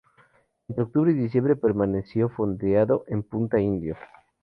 Entre octubre y diciembre permaneció fondeado en Punta Indio.